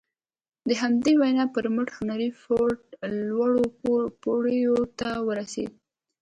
د همدې وينا پر مټ هنري فورډ لوړو پوړيو ته ورسېد.